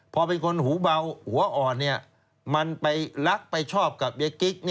พอเป็นคนหูเบาหัวอ่อนมันไปรักไปชอบกับยายกิ๊ก